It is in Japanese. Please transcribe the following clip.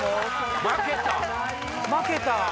負けた。